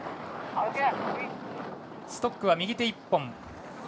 ストックは右手１本。